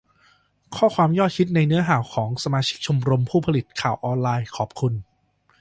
ข้อความยอดฮิตในเนื้อข่าวของสมาชิกชมรมผู้ผลิตข่าวออนไลน์ :'ขอบคุณ